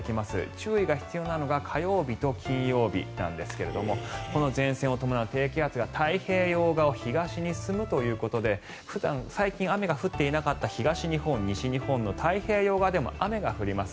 注意が必要なのが火曜日と金曜日なんですがこの前線を伴う低気圧が太平洋側を東に進むということで最近雨が降っていなかった東日本、西日本の太平洋側でも雨が降ります。